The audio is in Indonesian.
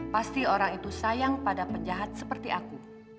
pasti orang itu sayang pada penjahat seperti aku